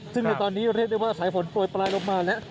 ซึ่งในตอนนี้เรียกได้ว่าสายฝนโปรยปลายลงมาแล้ว